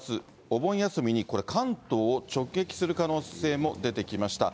お盆休みにこれ、関東を直撃する可能性も出てきました。